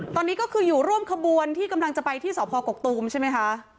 ตอนนี้ก็คืออยู่ร่วมขบวนที่กำลังจะไปที่สพกกตูมใช่ไหมคะ